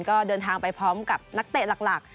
ก็เดินทางไปพร้อมกับนักเตะหลัก